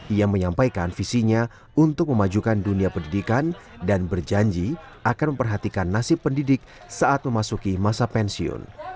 ia menyampaikan visinya untuk memajukan dunia pendidikan dan berjanji akan memperhatikan nasib pendidik saat memasuki masa pensiun